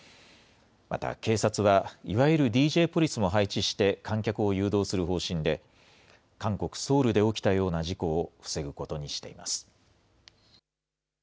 また警察は、いわゆるＤＪポリスも配置して、観客を誘導する方針で、韓国・ソウルで起きたような事故を防ぐことにしています。